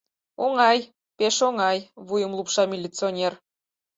— Оҥай, пеш оҥай... — вуйым лупша милиционер.